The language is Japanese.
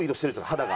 肌が。